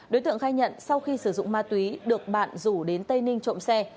đối tượng khai nhận sau khi sử dụng ma túy được bạn rủ đến tây ninh trộm xe